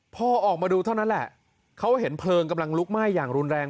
พอออกมาดูเท่านั้นแหละเขาเห็นเพลิงกำลังลุกไหม้อย่างรุนแรง